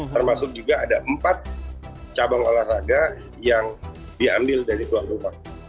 termasuk juga ada empat cabang olahraga yang diambil dari tuan rumah